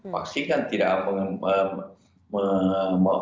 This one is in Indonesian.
vaksin kan tidak membunuh